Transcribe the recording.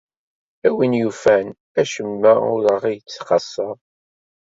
A win yufan, acemma ur aɣ-yettxaṣṣa.